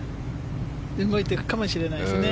動いていくかもしれないですね。